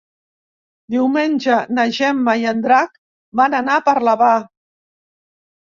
Diumenge na Gemma i en Drac van a Parlavà.